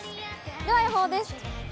では予報です。